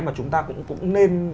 mà chúng ta cũng nên